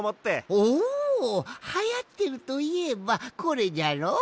おおはやっているといえばこれじゃろ！